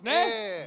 ええ。